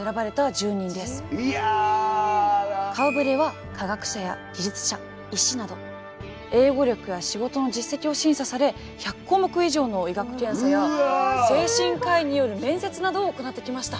顔ぶれは英語力や仕事の実績を審査され１００項目以上の医学検査や精神科医による面接などを行ってきました。